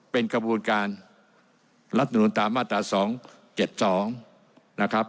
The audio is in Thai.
เป็นขบูรณ์การลัติดุจันทนั้นตามมาตรา๒๗๒